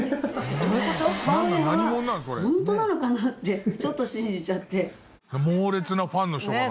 母親はホントなのかな？ってちょっと信じちゃって。